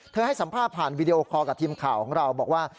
ให้สัมภาษณ์ผ่านวีดีโอคอลกับทีมข่าวของเราบอกว่า